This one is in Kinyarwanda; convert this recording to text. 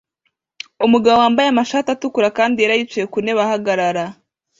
Umugabo wambaye amashati atukura kandi yera yicaye ku ntebe ahagarara